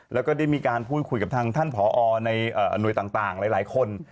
แล้วก็ได้มีการพูดคุยกับทางท่านผอในหน่วยต่างหลายคน